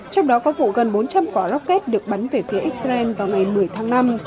trong đó có vụ gần bốn trăm linh quả rocket được bắn về phía israel vào ngày một mươi tháng năm